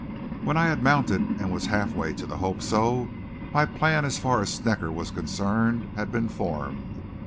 When I had mounted and was half way to the Hope So, my plan, as far as Snecker was concerned, had been formed.